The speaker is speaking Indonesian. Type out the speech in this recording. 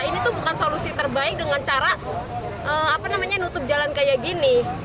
ini tuh bukan solusi terbaik dengan cara nutup jalan kayak gini